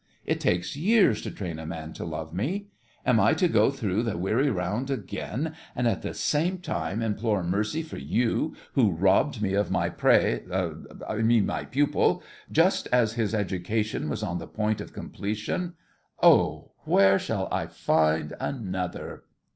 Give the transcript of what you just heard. It takes years to train a man to love me. Am I to go through the weary round again, and, at the same time, implore mercy for you who robbed me of my prey—I mean my pupil—just as his education was on the point of completion? Oh, where shall I find another?